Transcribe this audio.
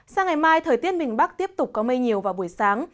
sang ngày mai thời tiết mình bắc tiếp tục có mây nhiều vào buổi sáng